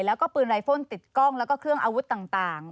แล้วก็ปืนไลโฟนติดกล้องแล้วก็เครื่องอาวุธต่าง